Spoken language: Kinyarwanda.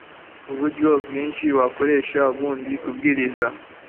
uburyo bwinshi wakoresha Ubundi kubwiriza